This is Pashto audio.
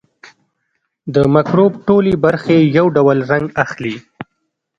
د مکروب ټولې برخې یو ډول رنګ اخلي.